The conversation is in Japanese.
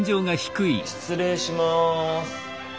失礼します。